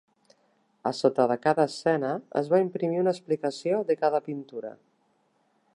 A sota de cada escena es va imprimir una explicació de cada pintura.